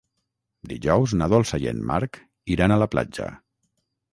Dijous na Dolça i en Marc iran a la platja.